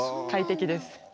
快適です。